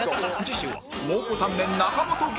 次週は蒙古タンメン中本芸人